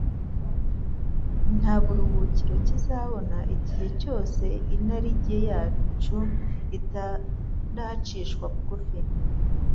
Nta buruhukiro kizabona igihe cyose inarijye yacu itaracishwa bugufi.